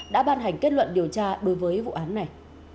đã ban hành kết luận điều tra đối với vụ án này